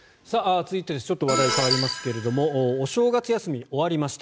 続いてちょっと話題が変わりますがお正月休み、終わりました。